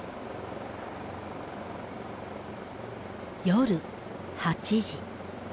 夜８時。